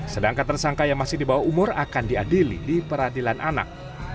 sedangkan tersangka yang masih di bawah umur akan diadili di peradilan anak